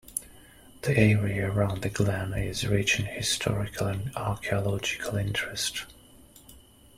The area around the Glen is rich in historical and archaeological interest.